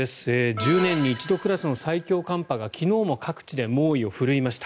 １０年に一度クラスの最強寒波が昨日も各地で猛威を振るいました。